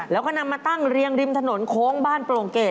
แล้วก็นำมาตั้งเรียงริมถนนโค้งบ้านโปร่งเกรด